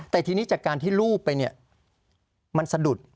แต่ทีนี้จากการที่รูปไปเนี่ยมันสะดุด